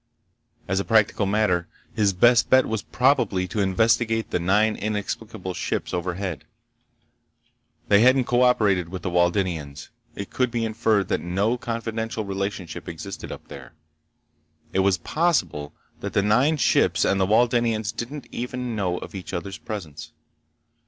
As a practical matter, his best bet was probably to investigate the nine inexplicable ships overhead. They hadn't co operated with the Waldenians. It could be inferred that no confidential relationship existed up there. It was possible that the nine ships and the Waldenians didn't even know of each other's presence.